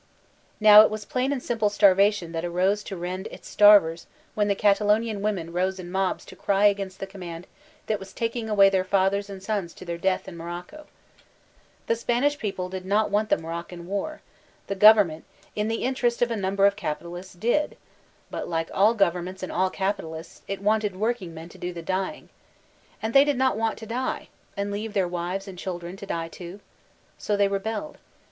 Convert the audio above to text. Now it was plain and simple Starvation that rose to rend its starvers when the Catalonian women rose in mobs to cry against the command that was taking away their fathers and sons to their death in Morocco. The Spanish people did not want the Moroccan war; the Government, in the interest of a number of capitalists, did ; but like all governments and all capitalists, it wanted workingmen to do the dying. And they did not want to die, and leave their wives and children to die too. So they rebelled.